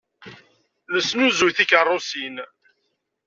Nesnuzuy tikeṛṛusin.